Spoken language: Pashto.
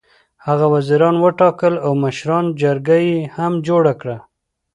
هغه وزیران وټاکل او د مشرانو جرګه یې هم جوړه کړه.